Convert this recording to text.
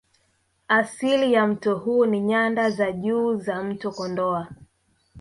Asili ya mto huu ni Nyanda za Juu za mto Kondoa